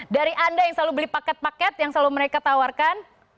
dari anda yang selalu beli paket paket yang selalu mereka tawarkan